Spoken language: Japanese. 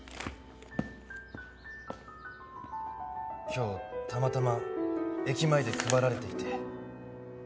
今日たまたま駅前で配られていて。